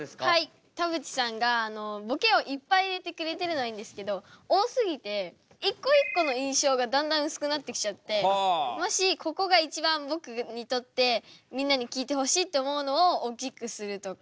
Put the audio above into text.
田渕さんがボケをいっぱい入れてくれてるのはいいんですけど多すぎて一個一個の印象がだんだん薄くなってきちゃってもしここが一番僕にとってみんなに聞いてほしいって思うのを大きくするとか。